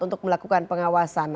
untuk melakukan pengawasan